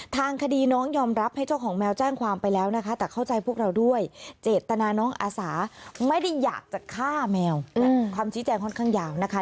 ทางคดีน้องยอมรับให้เจ้าของแมวแจ้งความไปแล้วนะคะแต่เข้าใจพวกเราด้วยเจตนาน้องอาสาไม่ได้อยากจะฆ่าแมวคำชี้แจงค่อนข้างยาวนะคะ